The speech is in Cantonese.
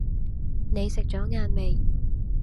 你食左晏未？